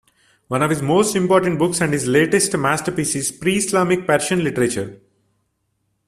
One of his most important books and his latest masterpiece is "Pre-Islamic Persian Literature".